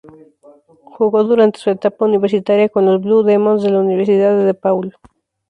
Jugó durante su etapa universitaria con los "Blue Demons" de la Universidad DePaul.